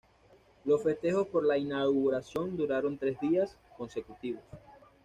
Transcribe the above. Los festejos por la inauguración duraron tres días consecutivos.